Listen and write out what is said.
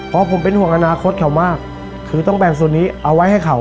เพราะผมเป็นห่วงอนาคตเขามากคือต้องแบ่งส่วนนี้เอาไว้ให้เขา